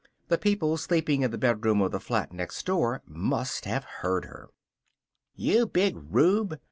The people sleeping in the bedroom of the flat next door must have heard her. "You big rube!